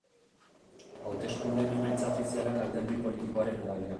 Hauteskundeen emaitza ofizialak alderdi politikoaren arabera.